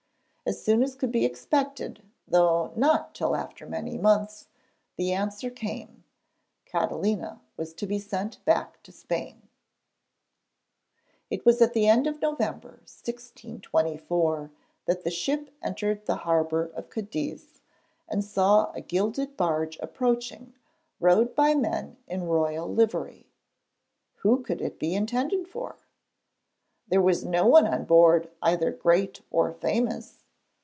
As soon as could be expected, though not till after many months, the answer came: Catalina was to be sent back to Spain. It was at the end of November 1624 that the ship entered the harbour of Cadiz, and saw a gilded barge approaching, rowed by men in royal livery. Who could it be intended for? There was no one on board either great or famous!